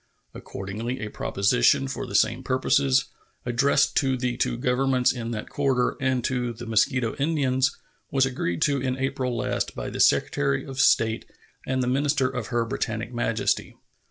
Accordingly, a proposition for the same purposes, addressed to the two Governments in that quarter and to the Mosquito Indians, was agreed to in April last by the Secretary of State and the minister of Her Britannic Majesty.